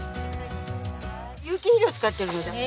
有機肥料使ってるので。